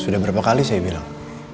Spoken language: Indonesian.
sudah berapa kali saya bilang